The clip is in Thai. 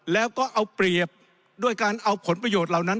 แล้วก็เอาเปรียบด้วยการเอาผลประโยชน์เหล่านั้น